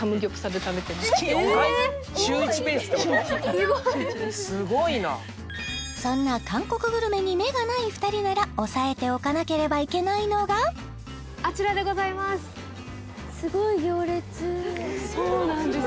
すごいすごいなそんな韓国グルメに目がない２人なら押さえておかなければいけないのがあちらでございますそうなんです